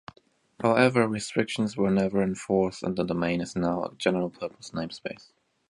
However, restrictions were never enforced and the domain is now a general purpose namespace.